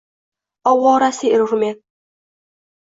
Ovorasi erurman.